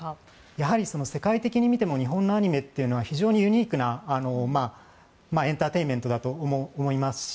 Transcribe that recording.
やはり世界的に見ても日本のアニメというのは非常にユニークなエンターテインメントだと思いますし